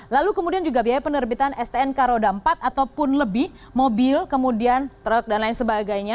lalu kemudian juga biaya penerbitan stnk roda empat ataupun lebih mobil kemudian truk dan lain sebagainya